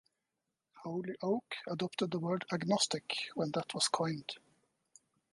Holyoake adopted the word "agnostic" when that was coined.